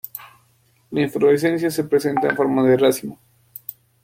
La inflorescencia se presenta en forma de racimo.